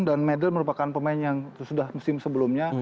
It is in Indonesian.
dan medel merupakan pemain yang sudah musim sebelumnya